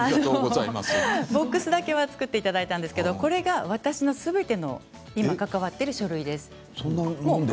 ボックスだけは作っていただいたんですけどこれが私が今関わっているすべての書類です。